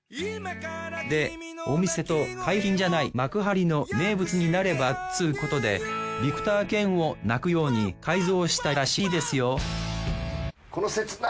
でお店と海浜じゃない幕張の名物になればっつうことでビクター犬を鳴くように改造したらしいですよ